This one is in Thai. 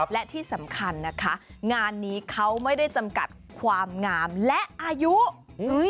และที่สำคัญนะคะงานนี้เขาไม่ได้จำกัดความงามและอายุ